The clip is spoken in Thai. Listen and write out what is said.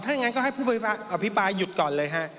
ถังงั้นก็ให้ผู้พิพายหยุดก่อนเลยฮะ